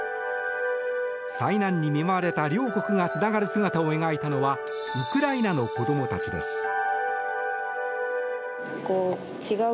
災難に見舞われた両国がつながる姿を描いたのはウクライナの子どもたちです。